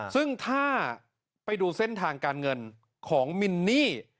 ซึ่งถ้าไปดูเส้นทางการเงินของมินนี่